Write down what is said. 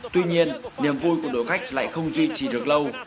tuy nhiên niềm vui của đội khách lại không duy trì được lâu